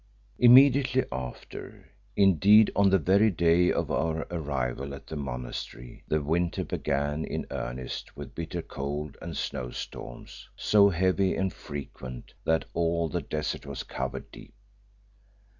Immediately after, indeed on the very day of our arrival at the monastery the winter began in earnest with bitter cold and snowstorms so heavy and frequent that all the desert was covered deep.